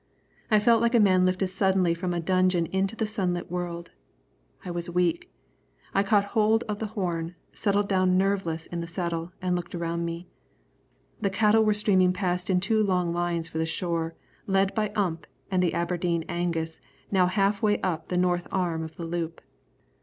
I felt like a man lifted suddenly from a dungeon into the sunlit world. I was weak. I caught hold of the horn, settled down nerveless in the saddle, and looked around me. The cattle were streaming past in two long lines for the shore, led by Ump and the Aberdeen Angus, now half way up the north arm of the loop.